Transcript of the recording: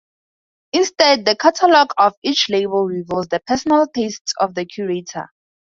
Instead, the catalog of each label reveals the personal tastes of the curator.